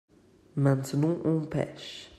maintenant on pêche.